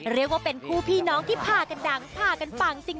เรียกว่าเป็นคู่พี่น้องที่พากันดังพากันปังจริง